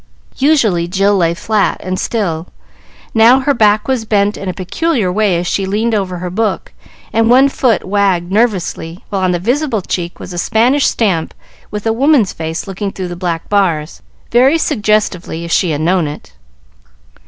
Usually, Jill lay flat and still; now her back was bent in a peculiar way as she leaned over her book, and one foot wagged nervously, while on the visible cheek was a Spanish stamp with a woman's face looking through the black bars, very suggestively, if she had known it.